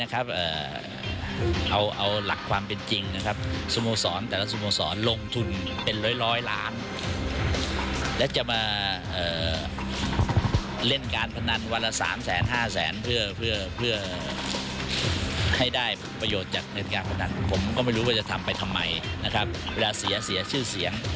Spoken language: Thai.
ครับเวลาเสียชื่อเสียง